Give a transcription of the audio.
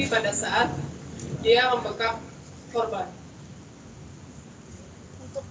pada saat dia membekap